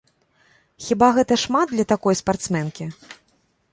Хіба гэта шмат для такой спартсменкі?